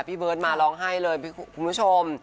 พี่เบิร์ตมาร้องไห้เลยคุณผู้ชม